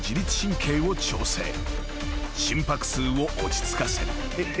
［心拍数を落ち着かせる］